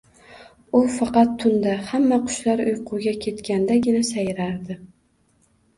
U faqat tunda, hamma qushlar uyquga ketgandagina sayrardi